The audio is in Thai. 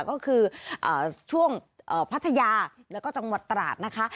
ก็คือช่วงพัทยาแล้วก็จังหวัดตราดนะคะ